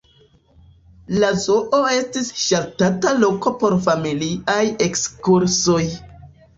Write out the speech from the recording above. La zoo estis ŝatata loko por familiaj ekskursoj.